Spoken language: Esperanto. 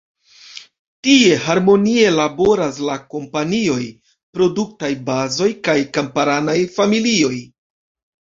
Tie harmonie laboras la kompanioj, produktaj bazoj kaj kamparanaj familioj.